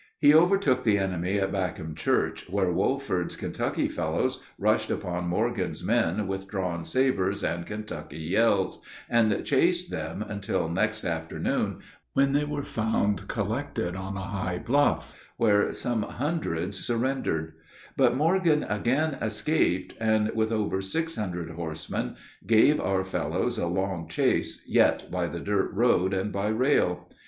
He overtook the enemy at Backum Church, where Wolford's Kentucky fellows rushed upon Morgan's men with drawn sabers and Kentucky yells, and chased them until next afternoon, when they were found collected on a high bluff, where some hundreds surrendered; but Morgan again escaped, and with over six hundred horsemen gave our fellows a long chase yet by the dirt road and by rail.